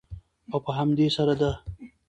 او په همدې سره د